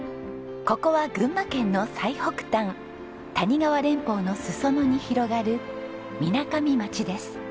ここは群馬県の最北端谷川連峰の裾野に広がるみなかみ町です。